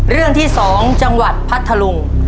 เรื่องที่๒จังหวัดพัทธลุง